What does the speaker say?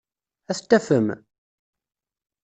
Ad t-tafem?